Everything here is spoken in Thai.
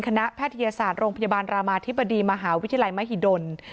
แพทยศาสตร์โรงพยาบาลรามาธิบดีมหาวิทยาลัยมหิดล